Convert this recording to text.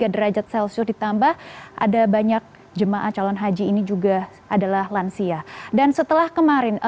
tiga derajat celcius ditambah ada banyak jemaah calon haji ini juga adalah lansia dan setelah kemarin